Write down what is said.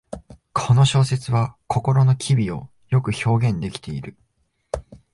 この小説は心の機微をよく表現できている